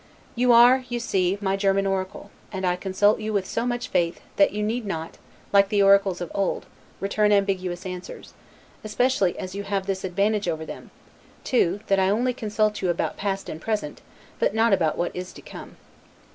You are, you see, my German oracle; and I consult you with so much faith, that you need not, like the oracles of old, return ambiguous answers; especially as you have this advantage over them, too, that I only consult you about past end present, but not about what is to come.